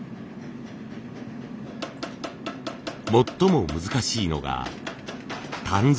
最も難しいのが鍛造。